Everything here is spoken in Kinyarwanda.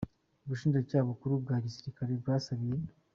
Ubushinjacyaha Bukuru bwa Gisirikare bwasabiye.